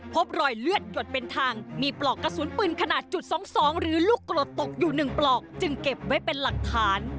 พบรอยเลือดหยดเป็นทางมีปลอกกระสุนปืนขนาดจุด๒๒หรือลูกกรดตกอยู่๑ปลอกจึงเก็บไว้เป็นหลักฐาน